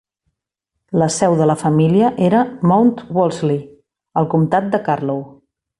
La seu de la família era Mount Wolseley, al comtat de Carlow.